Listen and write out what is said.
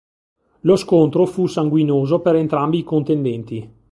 Lo scontro fu sanguinoso per entrambi i contendenti.